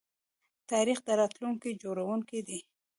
تاریخ د راتلونکي جوړونکی دی.